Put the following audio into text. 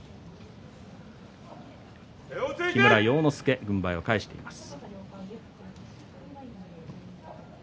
木村要之助、軍配を返しています。